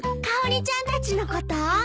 かおりちゃんたちのこと？